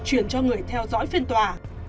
truyền cho người theo dõi phiên tòa